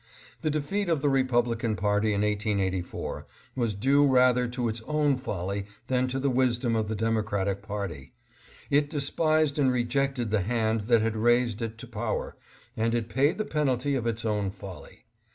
The defeat of the Republican party in 1884 was due rather to its own folly than to the wisdom of the Demo cratic party. It despised and rejected the hand that had raised it to power, and it paid the penalty of its own folly.